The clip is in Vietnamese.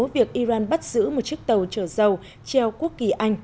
việc iran bắt giữ một chiếc tàu trở dâu treo quốc kỳ anh